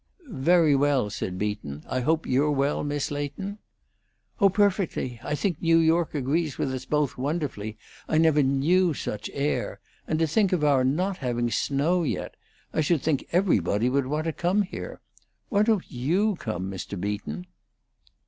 "Very well," said Beaton. "I hope you're well, Miss Leighton?" "Oh, perfectly! I think New York agrees with us both wonderfully. I never knew such air. And to think of our not having snow yet! I should think everybody would want to come here! Why don't you come, Mr. Beaton?"